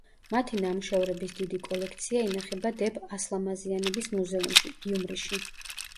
მათი ნამუშევრების დიდი კოლექცია ინახება დებ ასლამაზიანების მუზეუმში, გიუმრიში.